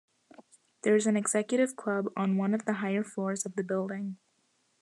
There is an Executive Club on one of the higher floors of the building.